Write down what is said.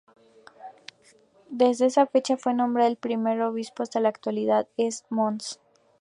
Desde esa fecha fue nombrado el primer obispo hasta la actualidad que es Mons.